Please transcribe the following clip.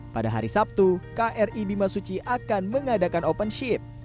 pada hari sabtu kri bimasuci akan mengadakan open ship